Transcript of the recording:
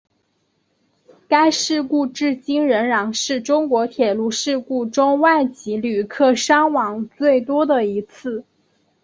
该事故至今仍然是中国铁路事故中外籍旅客伤亡最多的一次。